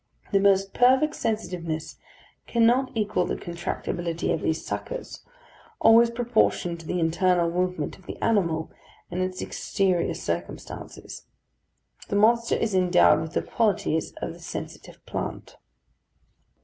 The most perfect sensitiveness cannot equal the contractibility of these suckers; always proportioned to the internal movement of the animal, and its exterior circumstances. The monster is endowed with the qualities of the sensitive plant.